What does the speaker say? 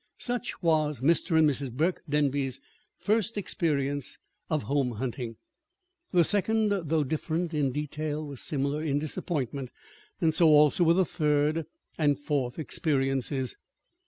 Such was Mr. and Mrs. Burke Denby's first experience of home hunting. The second, though different in detail, was similar in disappointment. So also were the third and the fourth experiences.